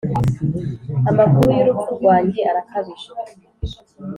amakuru y'urupfu rwanjye arakabije.